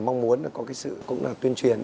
mong muốn có cái sự tuyên truyền